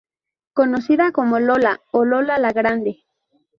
Conocida como Lola o Lola La Grande.